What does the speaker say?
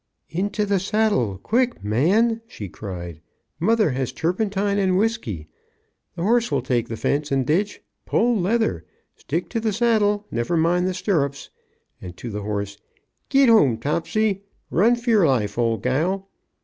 "Into the saddle, quick, man!" she cried. "Mother has turpentine and whiskey. The horse will take the fence and ditch. Pull leather, stick to the saddle, never mind the stirrups!" and to the horse "Git home, Topsy! Run for your life, old girl!"